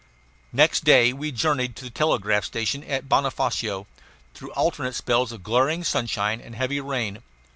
Next day we journeyed to the telegraph station at Bonofacio, through alternate spells of glaring sunshine and heavy rain.